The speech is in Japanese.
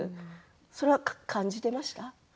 それは感じていましたか。